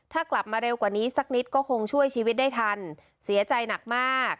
ถ้ากลับมาเร็วกว่านี้สักนิดก็คงช่วยชีวิตได้ทันเสียใจหนักมาก